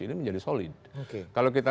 ini menjadi solid kalau kita